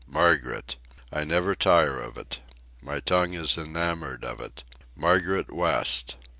Margaret! I never tire of it. My tongue is enamoured of it. Margaret West!